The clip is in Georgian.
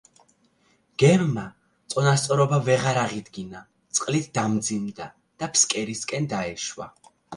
გემმა წონასწორობა ვეღარ აღიდგინა, წყლით დამძიმდა და ფსკერისკენ დაეშვა.